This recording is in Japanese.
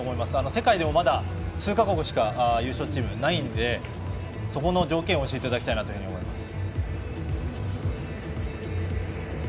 世界でもまだ数か国しか優勝チームはないのでそこの条件を教えていただきたいなと思います。